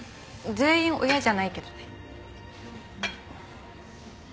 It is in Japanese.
全員親じゃないけどね。